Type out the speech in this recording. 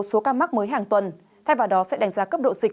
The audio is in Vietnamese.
số ca mắc mới hàng tuần thay vào đó sẽ đánh giá cấp độ dịch